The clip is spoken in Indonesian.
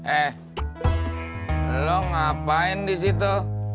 eh lo ngapain di situ